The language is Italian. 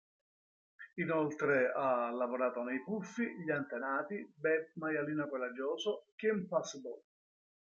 Inoltre ha lavorato ne "I puffi", "Gli Antenati", "Babe, maialino coraggioso", "Kim Possible".